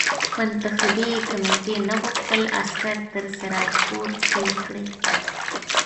منتخبي کمېټې نه غوښتل عسکر تر سراج پور تېر کړي.